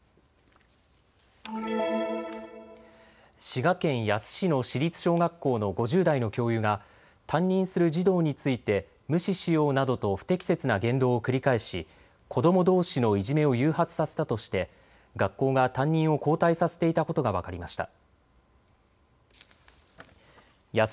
滋賀県野洲市の市立小学校の５０代の教諭が担任する児童について無視しようなどと不適切な言動を繰り返し子どもどうしのいじめを誘発させたとして学校が担任を交代させていたことが分かりました。